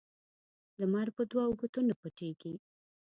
لمر په دوو ګوتو نه پټيږي.